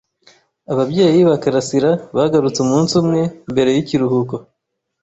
Ababyeyi ba Karasirabagarutse umunsi umwe mbere yikiruhuko.